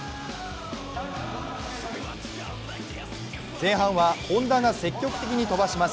前半は、本多が積極的に飛ばします。